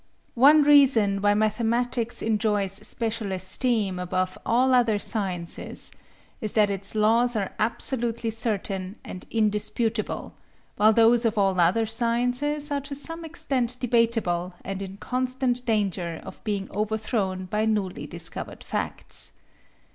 One reason why mathematics enjoys special esteem, above all other sciences, is that its laws are absolutely certain and indisputable, while those of all other sciences are to some extent debatable and in constant danger of being overthrown by newly discovered facts.